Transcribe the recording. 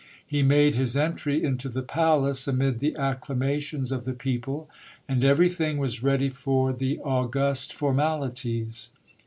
He made his entry into the palace amid the acclamations of the people, and everything was ready for the august formalities.